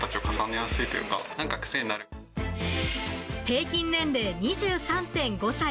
平均年齢２３．５歳。